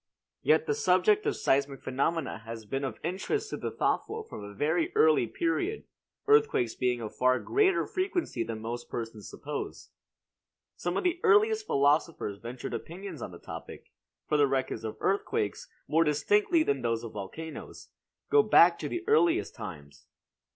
Yet the subject of seismic phenomena has been of interest to the thoughtful from a very early period, earthquakes being of far greater frequency than most persons suppose. Some of the earliest philosophers ventured opinions on the topic; for the records of earthquakes, more distinctly than those of volcanoes, go back to the earliest times.